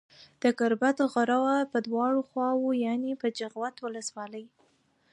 د گوربت غروه په دواړو خواوو يانې په جغتو ولسوالۍ